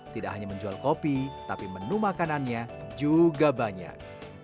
tidak hanya menjual kopi tapi menu makanannya juga banyak